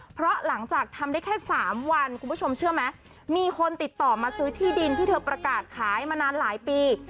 เพราะหลังจากทำได้แค่๓วันคุณผู้ชมเชื่อไหมมีคนติดต่อมาซื้อที่ดินที่เธอประกาศขายมานานหลายปี